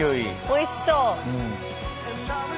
おいしそう。